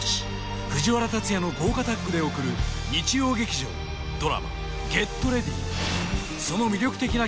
藤原竜也の豪華タッグでおくる日曜劇場ドラマ「ＧｅｔＲｅａｄｙ！」